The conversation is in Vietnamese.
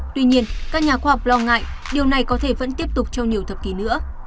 tuy nhiên các nhà khoa học lo ngại điều này có thể vẫn tiếp tục trong nhiều thập kỷ nữa